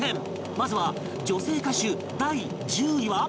まずは女性歌手第１０位は